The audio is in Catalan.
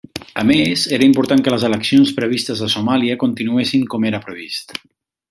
A més, era important que les eleccions previstes a Somàlia continuessin com era previst.